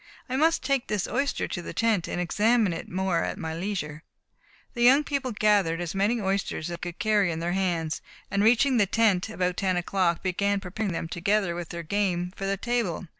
I must take this oyster to the tent, and examine it more at my leisure." The young people gathered as many oysters as they could carry in their hands, and reaching the tent about ten o'clock, began preparing them, together with their game, for the table.